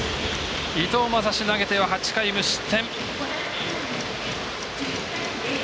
伊藤将司、投げては８回無失点。